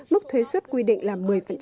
mức thuế xuất quy định là một mươi